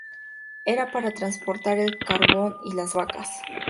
Era para transportar el carbón y las vacas.